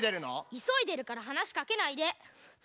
いそいでるからはなしかけないで！